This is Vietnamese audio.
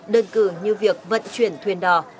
đơn cử như việc vận chuyển thuyền đò